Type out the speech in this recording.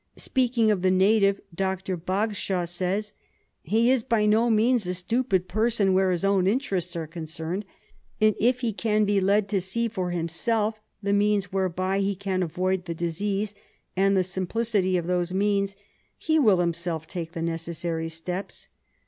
Speaking of the native, Dr. Bagshawe says :— "He is by no means a stupid person where his own interests are con cerned, and if he can be led to see for himself the means whereby he can avoid the disease and the simplicity of those means, he will himself take the necessary steps.